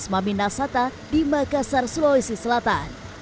masuk tiga n itu kan juga